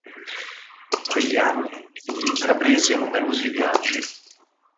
In quegli anni egli intraprese numerosi viaggi.